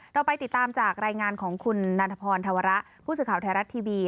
เราไปติดตามจากรายงานของคุณนันทพรธวระผู้สื่อข่าวไทยรัฐทีวี